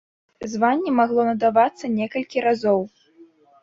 Званне магло надавацца некалькі разоў.